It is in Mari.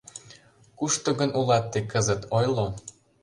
Кушто гын улат тый кызыт, ойло!